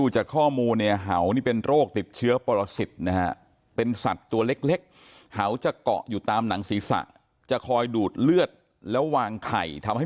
ใช่ครับเพราะว่าก่อนผมไม่ได้เป็นอย่างนี้